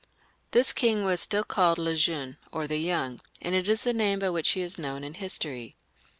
This king was still called Le Jeune (the Young), and it is the name by which he is known in history.